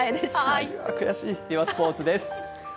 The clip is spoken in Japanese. ではスポーツです。